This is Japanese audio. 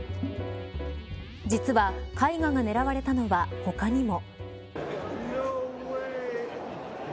実は絵画が狙われたのは他にも。